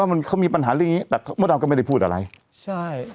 ว่ามันเขามีปัญหาเรื่องอย่างงี้แต่เขามดดำก็ไม่ได้พูดอะไรใช่